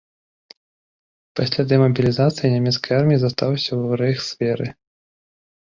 Пасля дэмабілізацыі нямецкай арміі застаўся ў рэйхсверы.